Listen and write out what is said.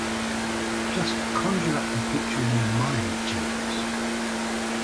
Just conjure up the picture in your mind, Jeeves.